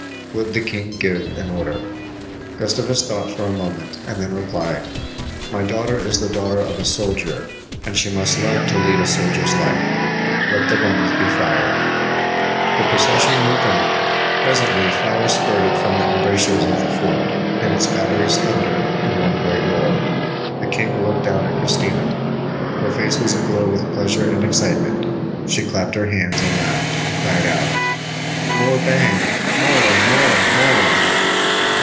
Would the king give an order? Gustavus thought for a moment, and then replied: "My daughter is the daughter of a soldier, and she must learn to lead a soldier's life. Let the guns be fired!" The procession moved on. Presently fire spurted from the embrasures of the fort, and its batteries thundered in one great roar. The king looked down at Christina. Her face was aglow with pleasure and excitement; she clapped her hands and laughed, and cried out: "More bang! More! More! More!"